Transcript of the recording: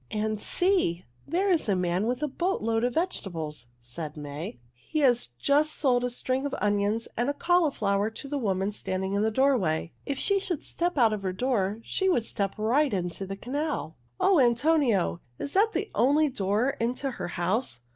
"And see! There is a man with a boat load of vegetables," said May. "He has just sold a string of onions and a cauliflower to the woman standing in the doorway. If she should step out of her door she would step right into the canal. O Antonio! Is that the only door into her house?"